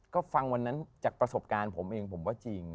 ก็ฟังวันนั้นจากประสบการณ์ผมเองผมว่าจริง